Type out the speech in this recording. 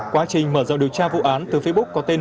quá trình mở rộng điều tra vụ án từ facebook có tên